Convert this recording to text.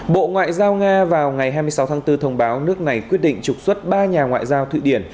bộ ngoại giao nga vào ngày hai mươi sáu tháng bốn thông báo nước này quyết định trục xuất ba nhà ngoại giao thụy điển